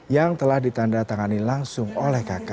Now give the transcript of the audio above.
yang telah ditanda tangani langsung oleh kk